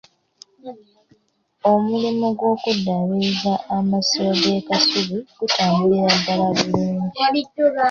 Omulimu gw’okuddaabiriza amasiro g'e Kasubi gutambulira ddala bulungi.